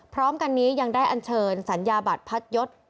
พร้อมกันนี้ยังได้อันเชิญสัญญาบัตรพัดยศ